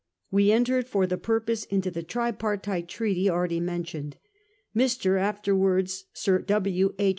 We entered for the purpose into the tripartite treaty already mentioned. Mr. (afterwards Sir W. H.)